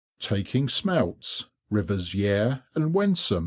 TAKING SMELTS.—RIVERS YARE AND WENSUM.